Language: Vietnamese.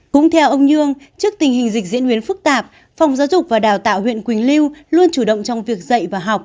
cũng theo ông nhương trước tình hình dịch diễn biến phức tạp phòng giáo dục và đào tạo huyện quỳnh lưu luôn chủ động trong việc dạy và học